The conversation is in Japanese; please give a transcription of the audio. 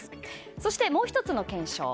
そしてもう１つの検証。